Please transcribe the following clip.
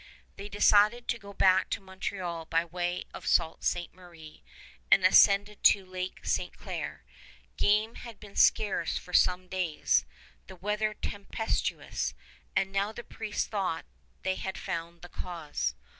They decided to go back to Montreal by way of Sault Ste. Marie, and ascended to Lake Ste. Claire. Game had been scarce for some days, the weather tempestuous, and now the priests thought they had found the cause.